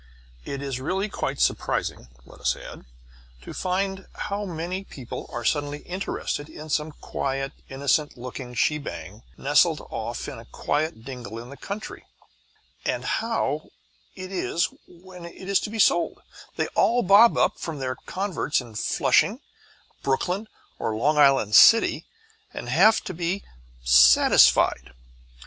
It is really quite surprising, let us add, to find how many people are suddenly interested in some quiet, innocent looking shebang nestling off in a quiet dingle in the country, and how, when it is to be sold, they all bob up from their coverts in Flushing, Brooklyn, or Long Island City, and have to be "satisfied."